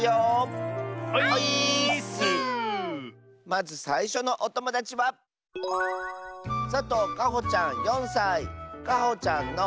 まずさいしょのおともだちはかほちゃんの。